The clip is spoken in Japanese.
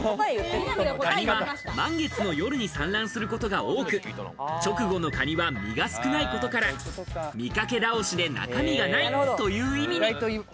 カニは満月の夜に産卵することが多く、直後のカニは身が少ないことから、見かけ倒しで中身がないという意味に。